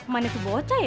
mana tuh bocah ya